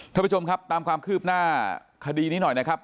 ท่านผู้ชมครับตามความคืบหน้าคดีนี้หน่อยนะครับ